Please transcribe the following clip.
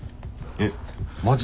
えっマジ？